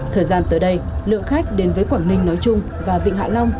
thời gian tới đây lượng khách đến với quảng ninh nói chung và vịnh hạ long